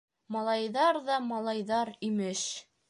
Малайҙар ҙа малайҙар, имеш!